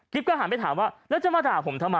ก็หันไปถามว่าแล้วจะมาด่าผมทำไม